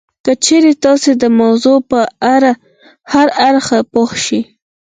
که چېرې تاسې د موضوع په هر اړخ پوه شئ